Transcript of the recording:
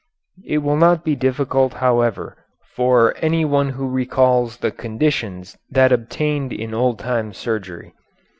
It will not be difficult, however, for anyone who recalls the conditions that obtained in old time surgery.